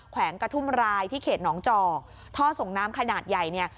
แวงกระทุ่มรายที่เขตหนองจอกท่อส่งน้ำขนาดใหญ่เนี่ย